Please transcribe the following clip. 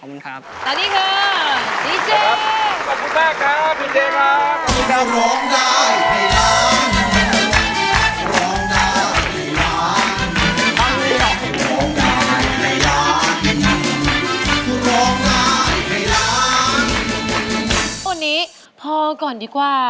วันนี้พอก่อนดีกว่า